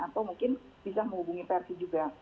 atau mungkin bisa menghubungi persi juga